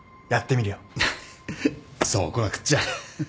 そうこなくっちゃ。